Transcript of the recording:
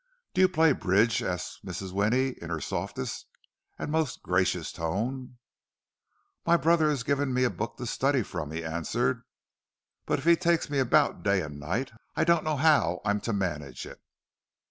"Do you play bridge?" asked Mrs. Winnie, in her softest and most gracious tone. "My brother has given me a book to study from," he answered. "But if he takes me about day and night, I don't know how I'm to manage it."